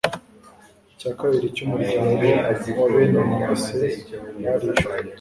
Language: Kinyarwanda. icya kabiri cy'umuryango wa bene manase barishwe